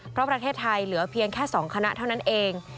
เพราะประเทศไทยเหลือเพียงแค่๒คณะเท่านั้นเอง